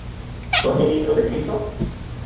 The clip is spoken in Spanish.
¿Son ministros de Cristo?